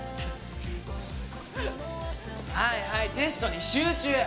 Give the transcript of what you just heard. はいはいテストに集中！